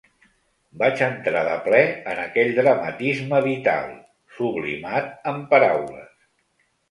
Vaig entrar de ple en aquell dramatisme vital, sublimat amb paraules.